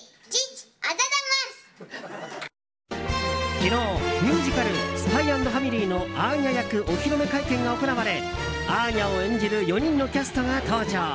昨日、ミュージカル「ＳＰＹ×ＦＡＭＩＬＹ」のアーニャ役お披露目会見が行われアーニャを演じる４人のキャストが登場。